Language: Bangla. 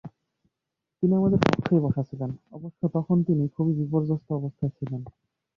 তিনি আমার কক্ষেই বসা ছিলেন, অবশ্য তখন তিনি খুবই বিপর্যস্ত অবস্থায় ছিলেন।